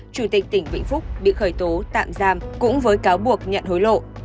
chủ tịch tỉnh vĩnh phúc bị khởi tố tạm giam cũng với cáo buộc nhận hối lộ